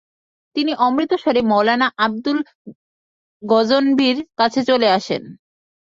তিনি অমৃতসরে মাওলানা আবদুল্লাহ গজনভীর কাছে চলে আসেন।